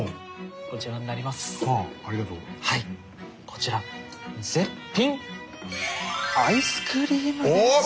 こちら絶品アイスクリームです。